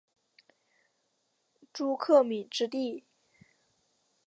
朱克敏之弟。